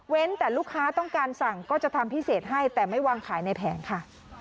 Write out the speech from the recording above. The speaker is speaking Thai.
แต่ลูกค้าต้องการสั่งก็จะทำพิเศษให้แต่ไม่วางขายในแผงค่ะ